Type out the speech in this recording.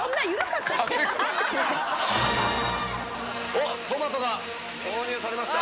おっトマトが投入されました。